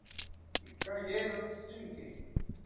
Ikayero shinki